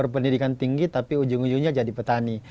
berpendidikan tinggi tapi ujung ujungnya jadi petani